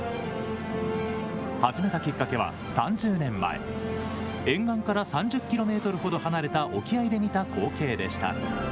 始めたきっかけは３０年前、沿岸から３０キロメートルほど離れた沖合で見た光景でした。